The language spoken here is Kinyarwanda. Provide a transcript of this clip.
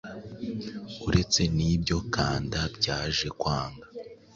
Uretse n’ibyo kanda byaje kwanga